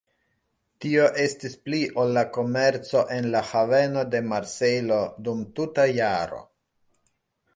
Tio estis pli ol la komerco en la haveno de Marsejlo dum tuta jaro.